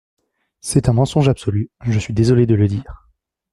C’est un mensonge absolu, je suis désolé de le dire.